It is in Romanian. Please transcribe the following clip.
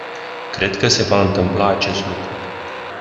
Cred că se va întâmpla acest lucru.